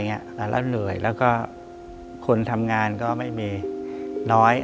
แล้วเหนื่อยแล้วก็คนทำงานก็ไม่มีน้อย